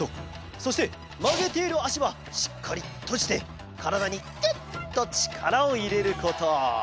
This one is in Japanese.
そしてまげているあしはしっかりとじてからだにキュッとちからをいれること。